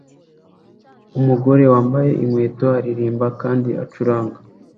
Umugore wambaye inkweto araririmba kandi acuranga